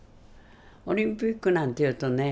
オリンピックなんていうとね